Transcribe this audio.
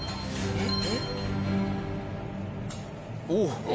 えっ？